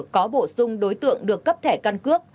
có bổ sung đối tượng được cấp thẻ căn cước